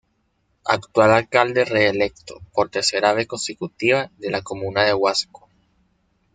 Actual alcalde reelecto, por tercera vez consecutiva, de la comuna de Huasco.